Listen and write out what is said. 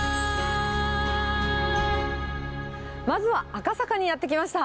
まずは赤坂にやって来ました。